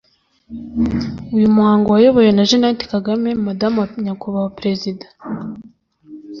Uyu muhango wayobowe na Jeanette Kagame Madamu wa Nyakubahwa Perezida